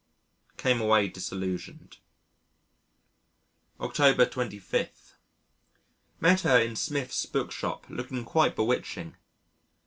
Came away disillusioned. October 25. Met her in Smith's book shop looking quite bewitching.